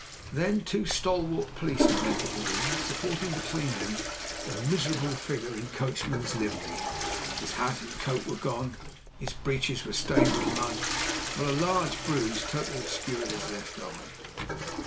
Then two stalwart policemen entered the room supporting between them a miserable figure in coachman's livery. His hat and coat were gone and his breeches were stained with mud, while a large bruise totally obscured his left eye.